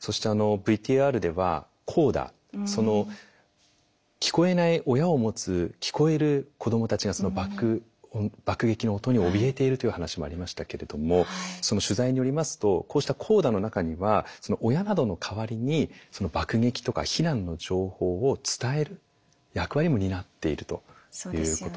そしてＶＴＲではコーダ聞こえない親を持つ聞こえる子どもたちが爆撃の音におびえているという話もありましたけれども取材によりますとこうしたコーダの中には親などの代わりに爆撃とか避難の情報を伝える役割も担っているということなんですよね。